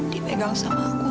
dipegang sama aku nggak mau diem